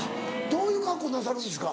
どういう格好なさるんですか？